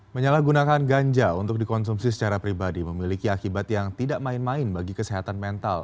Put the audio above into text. menyalahgunakan ganja untuk dikonsumsi secara pribadi memiliki akibat yang tidak main main bagi kesehatan mental